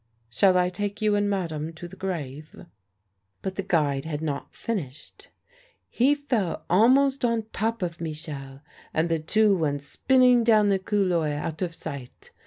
Shall I take you and madame to the grave?" But the guide had not finished. "He fell almost on top of Michel, and the two went spinning down the couloir out of sight.